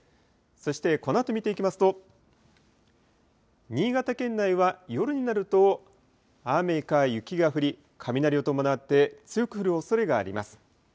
そしてこのあと見ていきますと、新潟県内は、夜になると、雨か雪が降り、雷を伴って強く降るおそれがあります。